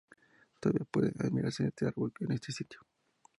Todavía puede admirarse este árbol en ese sitio.